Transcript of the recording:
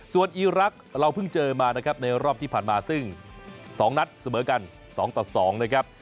ส่วนอีรักษ์เราเพิ่งเจอมานะครับในรอบที่ผ่านมาซึ่ง๒นัดเสมอกัน๒ต่อ๒นะครับ